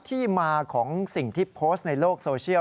ที่มาของสิ่งที่โพสต์ในโลกโซเชียล